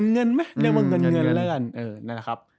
เงินมั้ยเรียกว่าเงินแล้วกัน